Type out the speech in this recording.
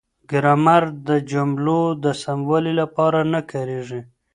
ګرامر د جملو د سموالي لپاره نه کاریږي.